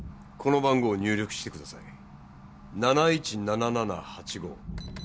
この番号を入力してください７１７７８５